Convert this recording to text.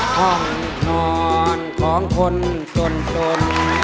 ห้องทอนของคนจนจน